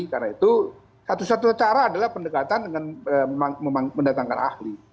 karena itu satu satu cara adalah pendekatan dengan mendatangkan ahli